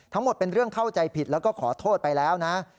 ทั้งหมดเป็นเรื่องเข้าใจผิดแล้วก็ขอโทษไปแล้วนะ